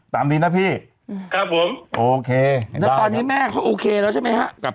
ตามดีนะพี่ครับผมโอเคแต่ตอนนี้แม่โอเคแล้วใช่ไหมครับ